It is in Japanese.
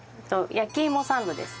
焼き芋サンドです。